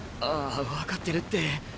あぁわかってるって。